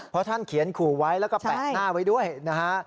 เพราะท่านเขียนขู่ไว้แล้วก็แปะหน้าไว้ด้วยนะฮะ